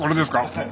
はい。